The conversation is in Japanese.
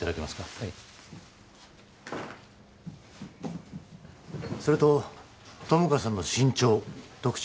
はいそれと友果さんの身長特徴